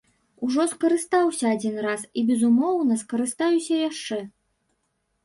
Ужо скарыстаўся адзін раз і безумоўна скарыстаюся яшчэ.